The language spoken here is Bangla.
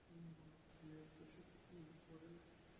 কুসমের বর্ণনা শুনিয়া শশী কিছুই বুঝিতে পারে নাই।